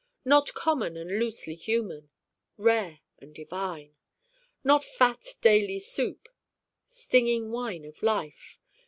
not common and loosely human: rare and divine. not fat daily soup: stinging wine of life.